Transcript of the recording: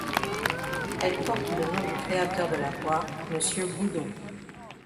Elle porte le nom du créateur de la voie, monsieur Boudon.